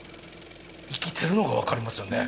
生きてるのが分かりますよね。